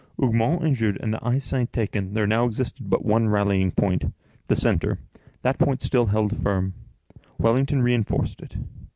Hougomont injured, La Haie Sainte taken, there now existed but one rallying point, the centre. That point still held firm. Wellington reinforced it.